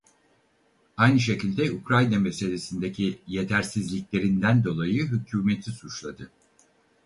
Aynı şekilde Ukrayna meselesindeki yetersizliklerinden dolayı hükûmeti suçladı.